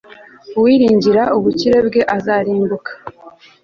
uwiringira ubukire bwe, azarimbuka